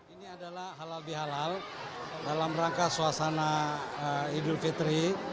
ini adalah halal bihalal dalam rangka suasana idul fitri